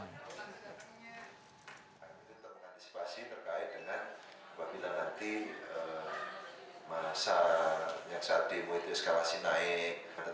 tentu antisipasi terkait dengan bila nanti masa yang saat demo itu eskalasi naik